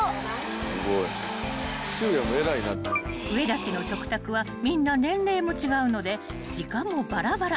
［上田家の食卓はみんな年齢も違うので時間もばらばら］